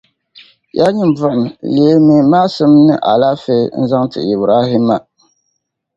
Yaa nyini buɣum! Leemi maasim ni alaafee n-zaŋ ti Ibrahima.